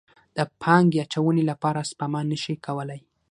د پانګې اچونې لپاره سپما نه شي کولی.